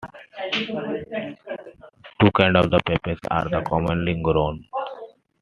Two kinds of papayas are commonly grown.